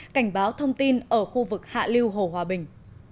cảnh báo thông tin ở khu vực hạ liêu hồ hòa bình